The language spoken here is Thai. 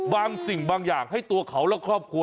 บางสิ่งบางอย่างให้ตัวเขาและครอบครัว